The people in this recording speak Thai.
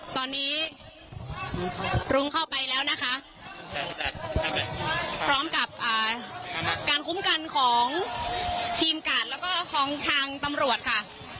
ตอนนี้รุ้งเข้าไปแล้วนะคะพร้อมกับการคุ้มกันของทีมกาดแล้วก็ของทางตำรวจค่ะ